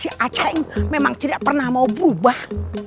si acing memang tidak pernah mau berubah